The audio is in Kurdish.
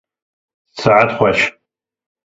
Sihet xweş!